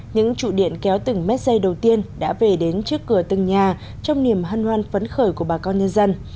những trụ điện kéo từng mét dây đầu tiên đã về đến trước cửa từng nhà trong niềm hân hoan phấn khởi của bà con nhân dân